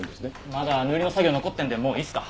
まだ塗りの作業残ってるんでもういいっすか？